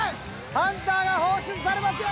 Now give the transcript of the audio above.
ハンターが放出されますよ！